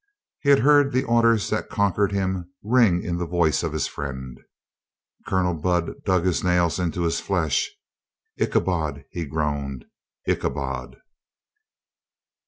He had heard the orders that conquered him ring in the voice of his friend. Colonel Budd dug his nails into his flesh. "Icha bod !" he groaned. "Ichabod